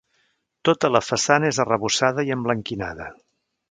Tota la façana és arrebossada i emblanquinada.